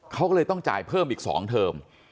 เขาก็เลยต้องจ่ายเพิ่มอีก๒เทอม